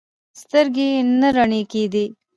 سترګې نه رڼې کېدې.